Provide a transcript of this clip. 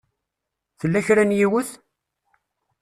Tella kra n yiwet?